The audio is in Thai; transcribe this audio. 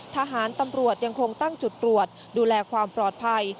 ทหารตำรวจยังคงตั้งจุดตรวจดูแลความปลอดภัย